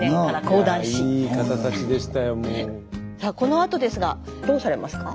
さあこのあとですがどうされますか？